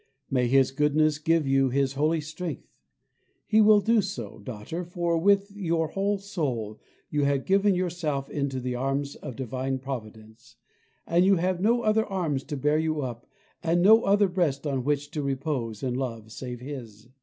May His goodness give you His holy strength. He will do so, daughter, for with your whole soul you have given yourself into the arms of divine Providence, and you have no other arms to bear you up and no other breast on which to repose in love save His.